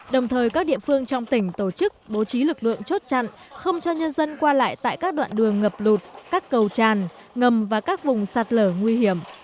đồng thời các địa phương trong tỉnh tổ chức bố trí lực lượng chốt chặn không cho nhân dân qua lại tại các đoạn đường ngập lụt các cầu tràn ngầm và các vùng sạt lở nguy hiểm